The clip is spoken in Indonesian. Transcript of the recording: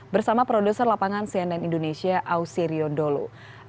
bersama produser lapangan cnn indonesia ausi riondolo